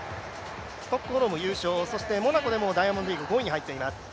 ストックホルム優勝、そしてモナコでもダイヤモンドリーグ５位に入っています。